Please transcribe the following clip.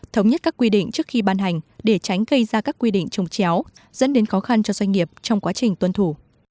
thống nhất các quy định trước khi ban hành để tránh gây ra các quy định trồng chéo dẫn đến khó khăn cho doanh nghiệp trong quá trình tuân thủ